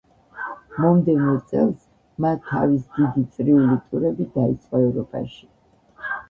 მომდევნო წელს, მა თავის „დიდი წრიული ტურები“ დაიწყო ევროპაში.